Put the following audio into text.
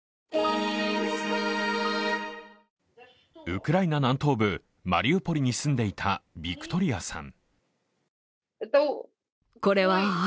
ウクライナ南東部マリウポリに住んでいたビクトリアさん。